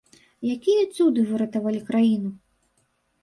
Якія цуды выратавалі краіну?